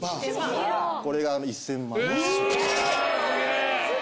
これが１０００万です。